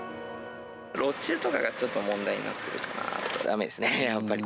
路駐とかがちょっと問題になってるから、だめですね、やっぱり。